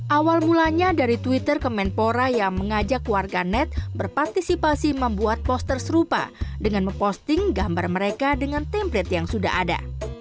awal mulanya dari twitter kemenpora yang mengajak warga net berpartisipasi membuat poster serupa dengan memposting gambar mereka dengan template yang sudah ada